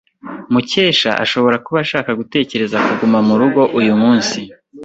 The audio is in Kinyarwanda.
Mukesha ashobora kuba ashaka gutekereza kuguma murugo uyu munsi.